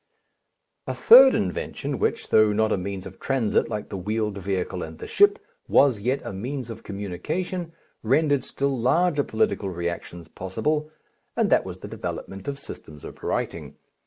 A third invention which, though not a means of transit like the wheeled vehicle and the ship, was yet a means of communication, rendered still larger political reactions possible, and that was the development of systems of writing.